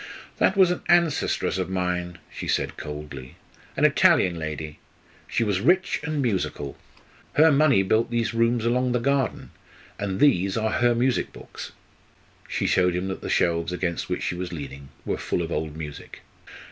"That was an ancestress of mine," she said coldly, "an Italian lady. She was rich and musical. Her money built these rooms along the garden, and these are her music books." She showed him that the shelves against which she was leaning were full of old music.